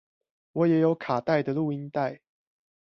我也有卡帶的錄音帶